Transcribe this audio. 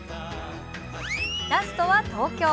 ラストは東京。